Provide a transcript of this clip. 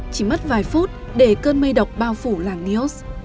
chỉ mất vài phút để cơn mây độc bao phủ làng neos